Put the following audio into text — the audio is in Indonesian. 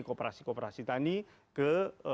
kooperasi kooperasi tani ke